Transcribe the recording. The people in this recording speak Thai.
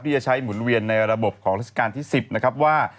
จะใช้หมุนเวียนในระบบของราชการที่๑๐นะครับว่า